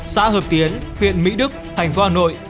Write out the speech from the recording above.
xã hợp tiến huyện mỹ đức thành phố hà nội